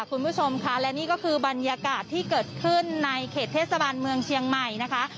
คุณผู้ชมค่ะและนี่ก็คือบรรยากาศที่เกิดขึ้นในเขตเทศบาลเมืองเชียงใหม่นะคะ